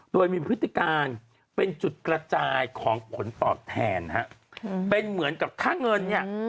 โดยมีพฤติการเป็นจุดกระจายของผลตอบแทนฮะเป็นเหมือนกับค่าเงินเนี่ย